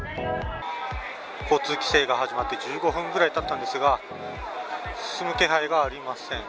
交通規制が始まって１５分ぐらいたったんですが進む気配はありません。